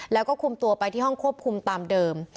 แล้วก็คุมตัวไปที่ห้องควบคุมตามเดิม